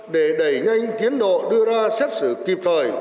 để đẩy nhanh tiến độ đưa ra xét xử kịp thời